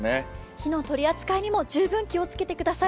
火の取り扱いにも十分気をつけてください。